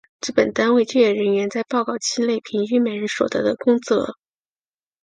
指本单位就业人员在报告期内平均每人所得的工资额。